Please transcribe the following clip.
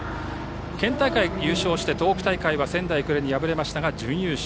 県大会優勝して東北大会は仙台育英に敗れましたが準優勝。